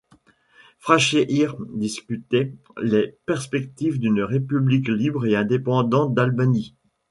Frashëri discutait les perspectives d'une république libre et indépendante d'Albanie.